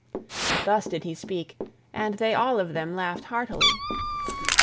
Thus did he speak, and they all of them laughed heartily.